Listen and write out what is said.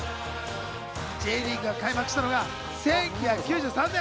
Ｊリーグが開幕したのは１９９３年。